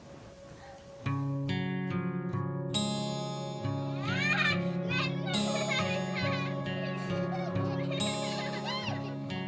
jadi kita bisa membeli air besar besar maka kita bisa bisa ke sini